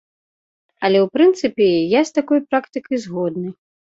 Але ў прынцыпе я з такой практыкай згодны.